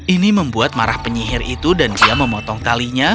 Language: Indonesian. ini membuat marah penyihir itu dan dia memotong talinya